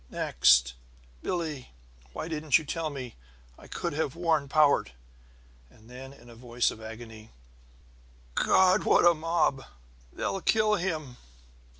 Next: "Billie: Why didn't you tell me? I could have warned Powart!" And then, in a voice of agony: "God, what a mob! They'll kill him!"